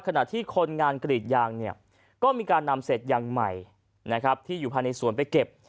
ขณะที่คนงานกรีดยางเนี่ยก็มีการนำเศษยางใหม่นะครับที่อยู่ภายในสวนไปเก็บ